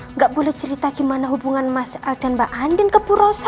nggak boleh cerita gimana hubungan mas al dan mbak andin ke purosa